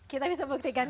kita bisa buktikan